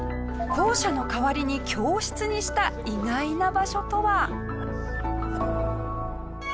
校舎の代わりに教室にした意外な場所とは？